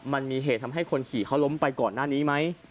มันมีเหตุทำให้คนขี่เขาล้มไปก่อนหน้านี้ไหม